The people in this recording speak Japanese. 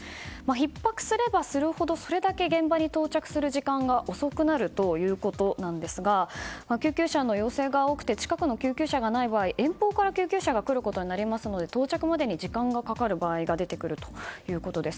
ひっ迫すればするほどそれだけ現場に到着する時間が遅くなるということなんですが救急車の要請が多くて近くの救急車がない場合遠方から救急車が来ることになりますので到着までに時間がかかる場合が出てくるということです。